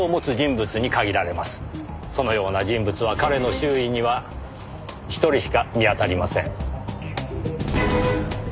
そのような人物は彼の周囲には一人しか見当たりません。